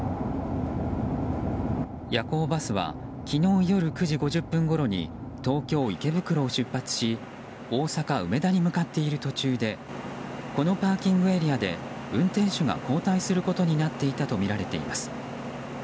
夜行バスは昨日夜９時５０分ごろに東京・池袋を出発し大阪・梅田に向かっている途中でこのパーキングエリアで運転手が交代することになっていたとみられています。